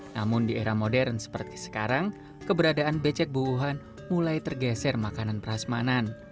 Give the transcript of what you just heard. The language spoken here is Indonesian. namun di era modern seperti sekarang keberadaan becek buuhan mulai tergeser makanan peras manan